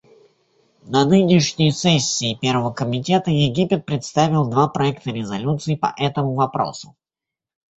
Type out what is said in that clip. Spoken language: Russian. На нынешней сессии Первого комитета Египет представил два проекта резолюций по этому вопросу.